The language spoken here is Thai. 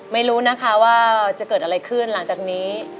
ไม่รู้นะคะว่าจะเกิดอะไรขึ้นหลังจากนี้